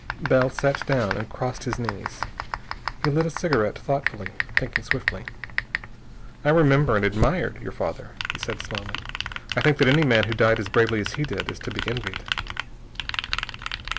Bell sat down and crossed his knees. He lit a cigarette thoughtfully, thinking swiftly. "I remember, and admired, your father," he said slowly. "I think that any man who died as bravely as he did is to be envied."